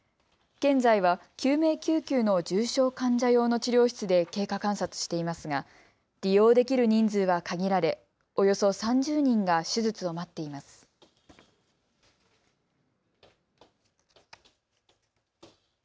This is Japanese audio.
現在は救命救急の重症患者用の治療室で経過観察していますが利用できる人数は限られおよそ３０人が手術を待っています。